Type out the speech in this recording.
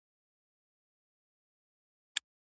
دوهمه سطح انګېرنې فهمونه دي.